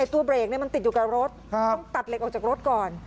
ไอ้ตัวเบรกเนี้ยมันติดอยู่กับรถครับต้องตัดเหล็กออกจากรถก่อน